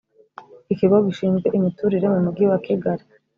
ikigo gishinzwe imiturire mu mugi wa Kigali